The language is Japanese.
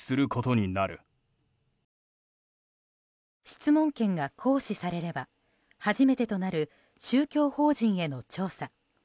質問権が行使されれば初めてとなる宗教法人への調査。